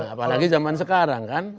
apalagi zaman sekarang kan